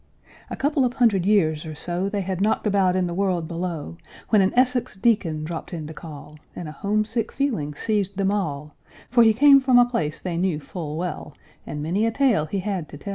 A couple of hundred years, or so, They had knocked about in the world below, When an Essex Deacon dropped in to call, And a homesick feeling seized them all; For he came from a place they knew full well, And many a tale he had to tell.